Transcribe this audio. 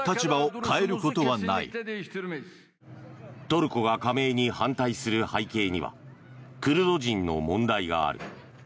トルコが加盟に反対する背景にはクルド人の問題がある。